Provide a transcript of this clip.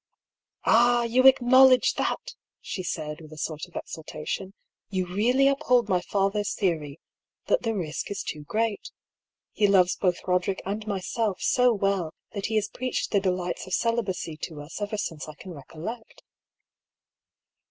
" Ah ! you acknowledge that," she said, with a sort of exultation. " You really uphold my father's theory — that the risk is too great. He loves both Boderick and myself so well that he has preached the delights of celi bacy to us ever since I can recollect."